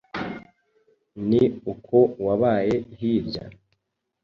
Ni uku wabaye Hirwa?